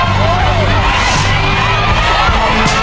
ทาง๑